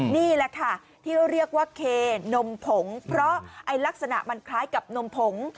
นี่แหละค่ะที่เรียกว่าเคนมผงเพราะลักษณะมันคล้ายกับนมผง